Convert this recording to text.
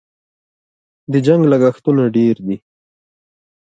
د جنګ لګښتونه ډېر دي.